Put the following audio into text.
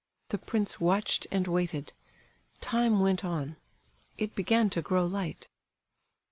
The prince watched and waited. Time went on—it began to grow light.